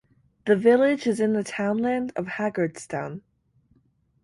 The village is in the townland of Haggardstown.